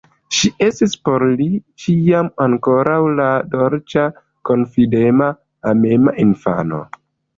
Ŝi estis por li ĉiam ankoraŭ la dolĉa, konfidema, amema infano.